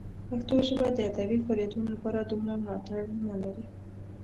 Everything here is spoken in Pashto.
پښتو ژبه د ادبي فعالیتونو لپاره دومره ملاتړ نه لري.